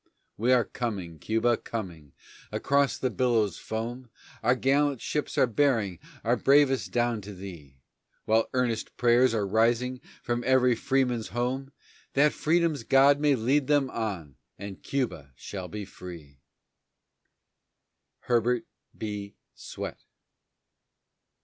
We are coming, Cuba, coming. Across the billow's foam Our gallant ships are bearing our bravest down to thee, While earnest prayers are rising from every freeman's home That freedom's God may lead them on, and Cuba shall be free. HERBERT B. SWETT.